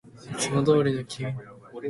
いつもどうりの君でいてね